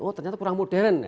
oh ternyata kurang modern